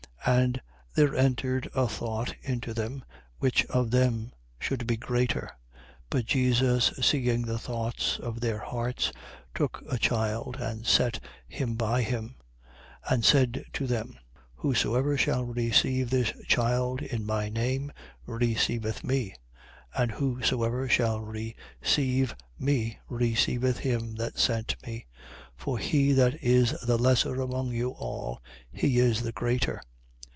9:46. And there entered a thought into them, which of them should be greater. 9:47. But Jesus seeing the thoughts of their hearts, took a child and set him by him, 9:48. And said to them: Whosoever shall receive this child in my name receiveth me; and whosoever shall receive me receiveth him that sent me. For he that is the lesser among you all, he is the greater.